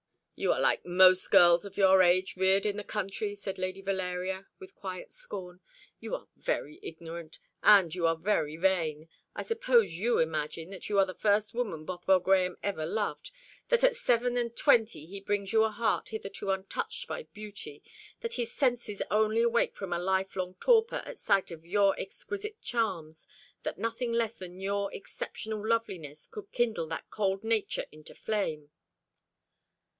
"You are like most girls of your age reared in the country," said Lady Valeria, with quiet scorn. "You are very ignorant, and you are very vain. I suppose you imagine that you are the first woman Bothwell Grahame ever loved that at seven and twenty he brings you a heart hitherto untouched by beauty; that his senses only awake from a life long torpor at sight of your exquisite charms; that nothing less than your exceptional loveliness could kindle that cold nature into flame."